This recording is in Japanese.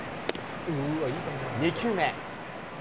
２球目。